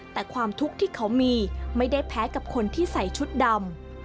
แต่ความทุกข์ที่เขามีไม่ได้แพ้กับคนที่ใส่ชุดดำ